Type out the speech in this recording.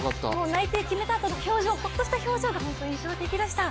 内定を決めたあとのホッとした表情が本当に印象的でした。